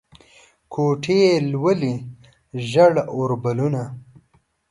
ګوتې یې لولي ژړ اوربلونه